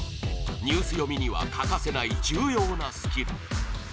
ニュース読みには欠かせない重要なスキル。